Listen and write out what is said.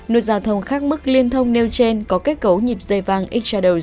nụt giao thông khác mức liên thông nêu trên có kết cấu nhịp dây vang x shadows